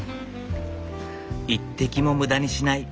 一滴も無駄にしない。